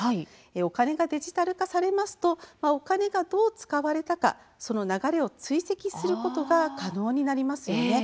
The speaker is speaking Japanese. お金がデジタル化されますとお金がどう使われたかその流れを追跡することが可能になりますよね。